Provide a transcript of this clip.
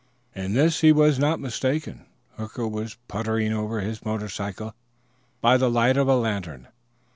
In this he was not mistaken; Hooker was puttering over his motorcycle by the light of a lantern.